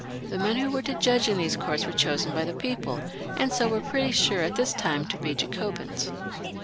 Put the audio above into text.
The men who were to judge in these courts were chosen by the people, and so were pretty sure at this time to be Jacobins.